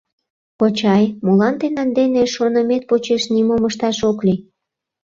Кочай, молан тендан дене шонымет почеш нимом ышташ ок лий?